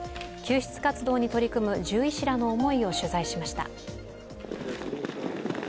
救出活動に取り組む獣医師らの思いを取材しました。